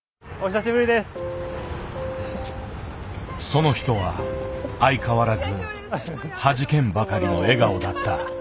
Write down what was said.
その人は相変わらずはじけんばかりの笑顔だった。